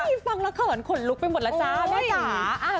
ฟังแล้วเขินขนลุกไปหมดแล้วจ้าแม่จ๋า